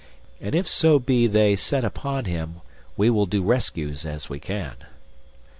And if so be they set upon him we will do rescues as we can.